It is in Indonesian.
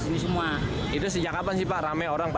ini baru hari ini apa sudah lama bu